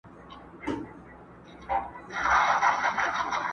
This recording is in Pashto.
شمع ده چي مړه سي رڼا نه لري٫